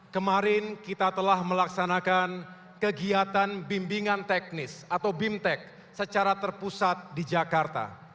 kemarin kita telah melaksanakan kegiatan bimbingan teknis atau bimtek secara terpusat di jakarta